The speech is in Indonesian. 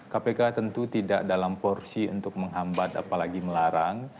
kpk tentu tidak dalam porsi untuk menghambat apalagi melarang